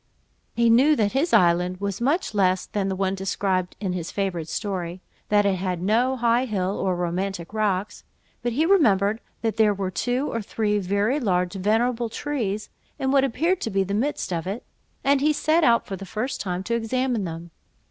He knew that his island was much less than the one described in this favourite story, that it had no high hill, or romantic rocks; but he remembered that there were two or three very large venerable trees, in what appeared the midst of it; and he set out for the first time to examine them.